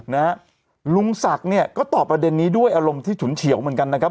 นะฮะลุงศักดิ์เนี่ยก็ตอบประเด็นนี้ด้วยอารมณ์ที่ฉุนเฉียวเหมือนกันนะครับ